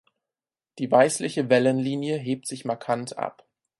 Die weißliche Wellenlinie hebt sich markant ab.